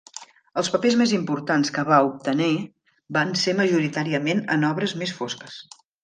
Els papers més importants que va obtener van ser majoritàriament en obres més fosques.